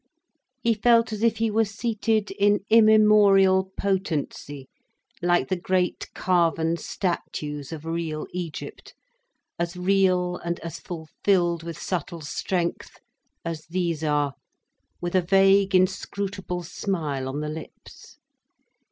He felt as if he were seated in immemorial potency, like the great carven statues of real Egypt, as real and as fulfilled with subtle strength, as these are, with a vague inscrutable smile on the lips.